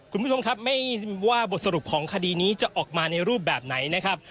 คุณผู้ชมครับไม่ว่าบทสรุปของคดีนี้จะออกมาในรูปแบบไหนนะครับ